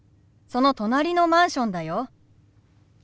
その隣のマンションだよ。